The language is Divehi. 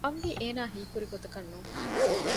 ކަންވީ އޭނާ ހީކުރި ގޮތަކަށް ނޫން